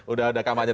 udah ada kampanye